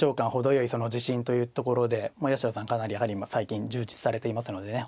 その自信というところで八代さんかなりやはり今最近充実されていますのでね